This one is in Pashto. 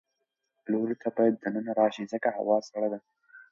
لورې ته باید د ننه راشې ځکه هوا سړه ده.